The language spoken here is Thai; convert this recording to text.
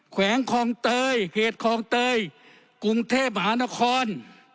แขวงคลองเตยเขตคลองเตยกรุงเทพมหานคร